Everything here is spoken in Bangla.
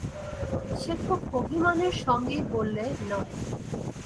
সে খুব অভিমানের সঙ্গেই বললে, নয়।